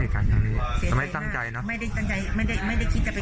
กันอย่างนี้แต่ไม่ตั้งใจเนอะไม่ได้ตั้งใจไม่ได้ไม่ได้คิดจะไป